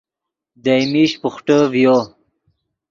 دئے میش بوخٹے ڤیو